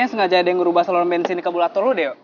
sengaja ada yang ngerubah salur bensin di kabul atur lu deo